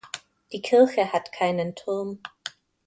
Die Kirche hat keinen Turm.